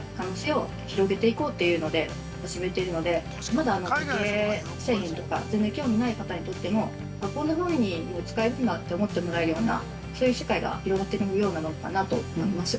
まだ竹製品とか全然興味ない方にとってもこんなふうに使えるんだと思ってもらえるようなそういう世界が広がっていくようなものかなと思います。